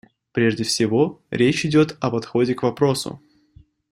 Прежде всего речь идет о подходе к вопросу.